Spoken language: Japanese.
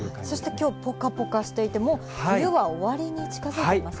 そしてきょう、ぽかぽかしていて、もう、冬は終わりに近づいていますね。